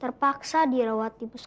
terpaksa dirawat di buskesmas